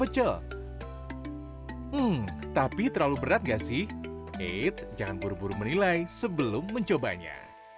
jangan buru buru menilai sebelum mencobanya